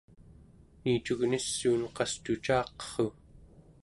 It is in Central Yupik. niicugnissuun qastucaqerru